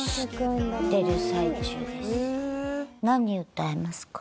歌いますか？